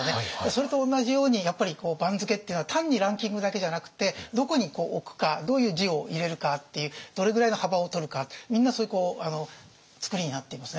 それと同じようにやっぱり番付っていうのは単にランキングだけじゃなくってどこに置くかどういう字を入れるかっていうどれぐらいの幅を取るかみんなそういう作りになっていますね。